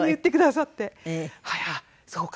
あっそうか。